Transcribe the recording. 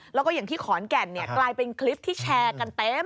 แล้วก็อย่างที่ขอนแก่นกลายเป็นคลิปที่แชร์กันเต็ม